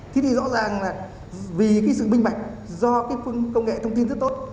thì rõ ràng là vì sự minh bạch do công nghệ thông tin rất tốt